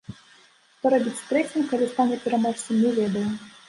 Што рабіць з трэцім, калі стане пераможцам, не ведае.